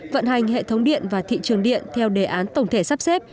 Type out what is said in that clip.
vận hành hệ thống điện và thị trường điện theo đề án tổng thể sắp xếp